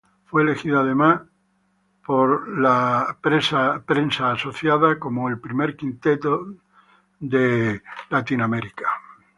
Fue elegido además por Associated Press en el primer quinteto All-American.